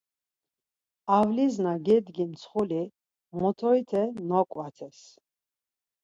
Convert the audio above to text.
Avliz na gedgin mtsxuli motorite nok̆vatez.